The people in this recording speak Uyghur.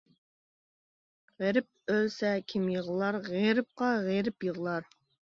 غېرىب ئۆلسە كىم يىغلار، غېرىبقا غېرىب يىغلار.